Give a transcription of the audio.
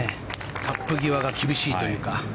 カップ際が厳しいというか。